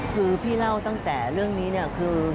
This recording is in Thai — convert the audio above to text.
คือพี่เล่าตั้งแต่เรื่องนี้เนี่ยคือ